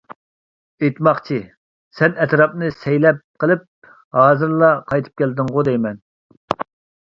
ئېيتماقچى، سەن ئەتراپنى سەيلەپ قىلىپ ھازىرلا قايتىپ كەلدىڭغۇ، دەيمەن.